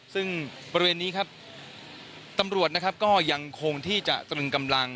ซึ่งบริเวณนี้ครับตำรวจนะครับก็ยังคงที่จะตรึงกำลัง